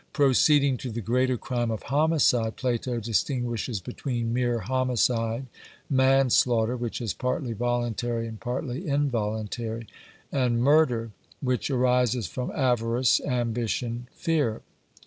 Proceeding to the greater crime of homicide, Plato distinguishes between mere homicide, manslaughter, which is partly voluntary and partly involuntary, and murder, which arises from avarice, ambition, fear.